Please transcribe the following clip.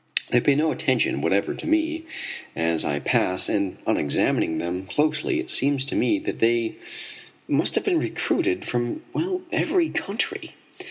They pay no attention whatever to me as I pass, and on examining them closely it seems to me that they must have been recruited from every country.